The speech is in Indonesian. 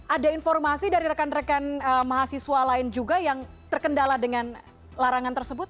ada informasi dari rekan rekan mahasiswa lain juga yang terkendala dengan larangan tersebut